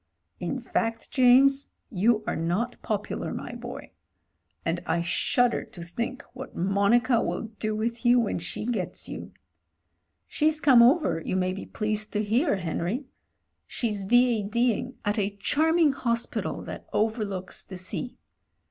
"In fact, James, you are not popular, my boy — and I shudder to think what Monica will do with you when she gets you. She's come over, you may be pleased to hear, Henry. She is V. A.D. ing at a charm ing hospital that overlooks the sea.